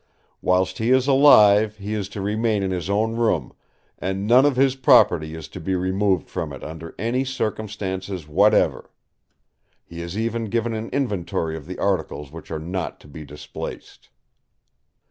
Whilst he is alive he is to remain in his own room; and none of his property is to be removed from it under any circumstances whatever. He has even given an inventory of the articles which are not to be displaced."